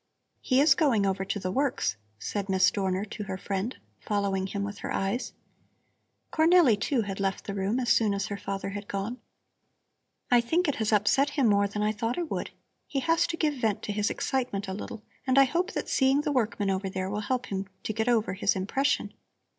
"He is going over to the works," said Miss Dorner to her friend, following him with her eyes. Cornelli, too, had left the room as soon as her father had gone. "I think it has upset him more than I thought it would. He has to give vent to his excitement a little, and I hope that seeing the workmen over there will help him to get over his impression.